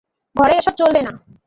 ঘরে এসব চলবে না।